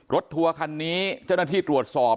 ทัวร์คันนี้เจ้าหน้าที่ตรวจสอบ